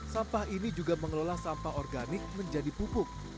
sampah ini juga mengelola sampah organik menjadi pupuk